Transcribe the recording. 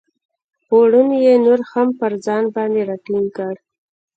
پوړنی یې نور هم پر ځان باندې را ټینګ کړ.